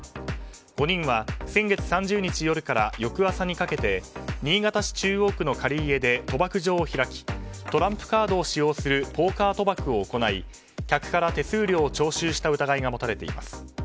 ５人は先月３０日夜から翌朝にかけて新潟市中央区の借り家で賭博場を開きトランプカードを使用するポーカー賭博を行い客から手数料を徴収した疑いが持たれています。